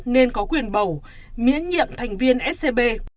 nên có quyền bầu miễn nhiệm thành viên scb